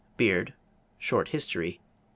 = Beard, Short History, pp.